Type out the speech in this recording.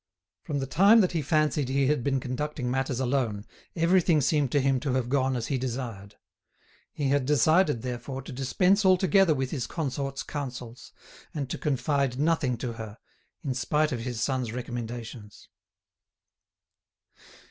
From the time that he fancied he had been conducting matters alone everything seemed to him to have gone as he desired. He had decided, therefore, to dispense altogether with his consort's counsels, and to confide nothing to her, in spite of his son's recommendations.